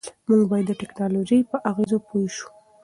موږ باید د ټیکنالوژۍ په اغېزو پوه شو.